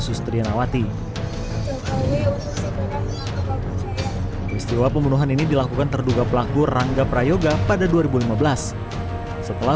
sustrianawati peristiwa pembunuhan ini dilakukan terduga pelaku rangga prayoga pada dua ribu lima belas setelah